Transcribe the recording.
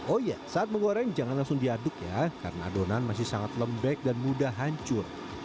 oh iya saat menggoreng jangan langsung diaduk ya karena adonan masih sangat lembek dan mudah hancur